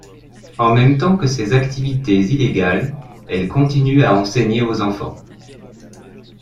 En même temps que ses activités illégales, elle continue à enseigner aux enfants.